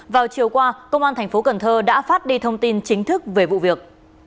vào chiều qua công an thành phố cần thơ đã phát đi thông tin chính thức về vụ việc